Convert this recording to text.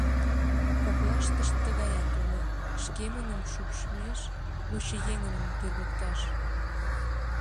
Коклаштышт тыгаят уло: шкемыным шупшмеш, лучо еҥыным тӱргыкташ.